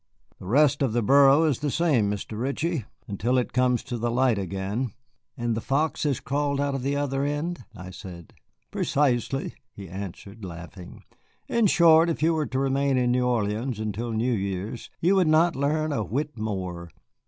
"The rest of the burrow is the same, Mr. Ritchie, until it comes to the light again." "And the fox has crawled out of the other end," I said. "Precisely," he answered, laughing; "in short, if you were to remain in New Orleans until New Year's, you would not learn a whit more.